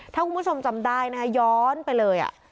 ถ้าคุณผู้ชมจำได้นะคะย้อนไปเลย